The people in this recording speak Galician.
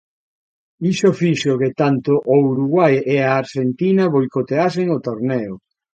Iso fixo que tanto o Uruguai e a Arxentina boicoteasen o torneo.